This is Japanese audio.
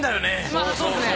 まあそうですね。